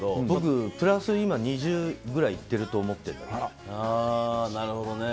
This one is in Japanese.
僕プラス今２０くらいいってると思ってるんだけど。